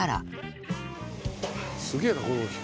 すげえなこの機械。